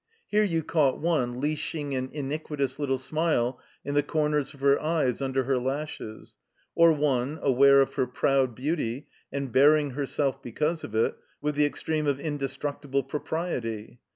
Here you caught one leashing an iniquitous little smile in the comers of her eyes under her lashes; or one, aware of her proud beauty, and bearing her self because of it, with the extreme of indestructible propriety.